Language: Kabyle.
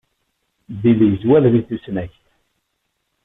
Bill yeẓwer di tusnakt.